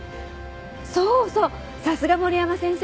そうそうさすが森山先生。